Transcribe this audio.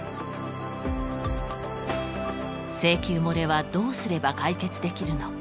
請求もれはどうすれば解決できるのか。